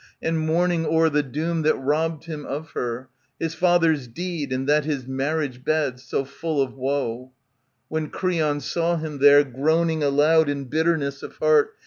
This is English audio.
And mourning o'er the doom that robbed him of her, His father's deed, and that his marriage bed. So full of woe. When Creon saw him there, Groaning aloud in bitterness of heart.